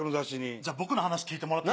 じゃ僕の話聞いてもらって。